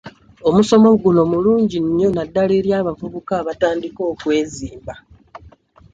Omusomo guno mulungi nnyo naddala eri abavubuka abatandika okwezimba.